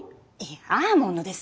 アーモンドです！